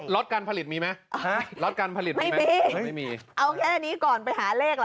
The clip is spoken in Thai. รถการผลิตมีมั้ยไม่มีเอาแค่นี้ก่อนไปหาเลข